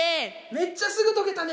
めっちゃすぐ解けたね。